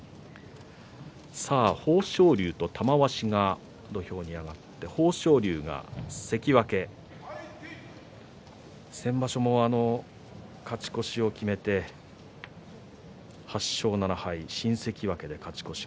豊昇龍と玉鷲が土俵に上がって豊昇龍が関脇先場所も勝ち越しを決めて８勝７敗、新関脇で勝ち越し。